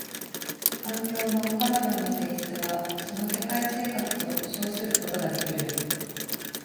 環境のかような性質はその世界性格と称することができる。